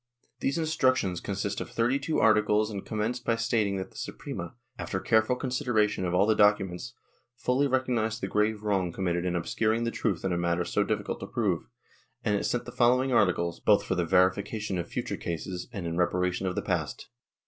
These instructions consist of thirty two articles and commence by stating that the Suprema, after careful consideration of all the documents, fully recognized the grave wrong committed in obscuring the truth in a matter so difficult of proof, and it sent the following articles, both for the verification of future cases and in reparation of the past.